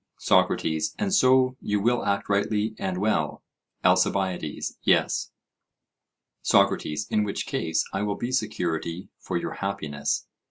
SOCRATES: And so you will act rightly and well? ALCIBIADES: Yes. SOCRATES: In which case, I will be security for your happiness.